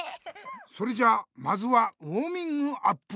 それじゃまずはウォーミングアップ。